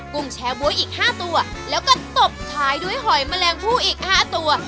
ุ้งแชร์บ๊วยอีก๕ตัวแล้วก็ตบท้ายด้วยหอยแมลงผู้อีก๕ตัว